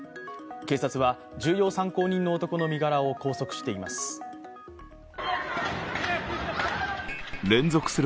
警察は重要参考人の男性の身柄を拘束しています。